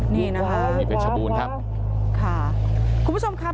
นี่นะครับคุณผู้ชมครับ